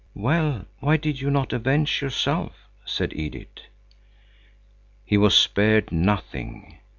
"Well, why did you not avenge yourself?" said Edith. He was spared nothing.